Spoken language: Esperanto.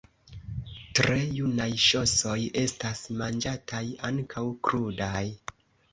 Tre junaj ŝosoj estas manĝataj ankaŭ krudaj.